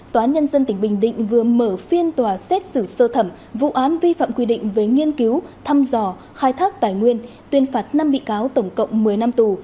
tòa án nhân dân tỉnh bình định vừa mở phiên tòa xét xử sơ thẩm vụ án vi phạm quy định về nghiên cứu thăm dò khai thác tài nguyên tuyên phạt năm bị cáo tổng cộng một mươi năm tù